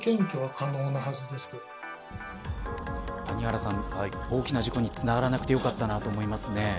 谷原さん、大きな事故につながらなくてよかったなと思いますね。